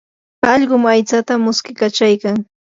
allqum aytsata muskiykachaykan.